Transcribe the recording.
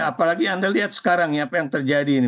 apalagi anda lihat sekarang ya apa yang terjadi ini